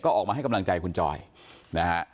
ออกมาให้กำลังใจคุณจอยนะฮะ